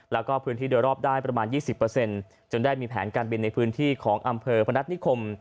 แล้วก็พื้นที่โดยรอบได้ประมาณ๒๐จนได้มีแผนการบินในพื้นที่ของอำเภอพนัฐนิคม